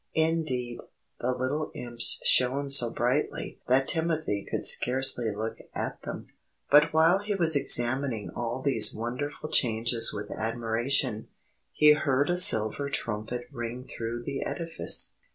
Indeed, the little Imps shone so brightly that Timothy could scarcely look at them. But while he was examining all these wonderful changes with admiration, he heard a silver trumpet ring through the edifice.